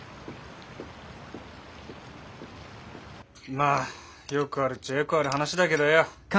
まあよくあるっちゃよくある話だけどよ